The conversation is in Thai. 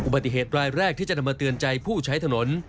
ปฏิเหตุรายแรกที่จะนำมาเตือนใจผู้ใช้ถนน